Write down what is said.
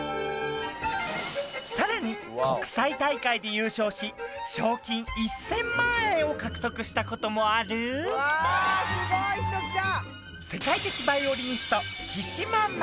さらに国際大会で優勝し賞金１０００万円を獲得したこともある・すごい人来たさあ